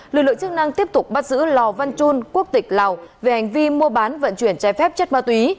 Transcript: lực lượng chức năng tiếp tục bắt giữ lò văn trun quốc tịch lào về hành vi mua bán vận chuyển trái phép chất ma túy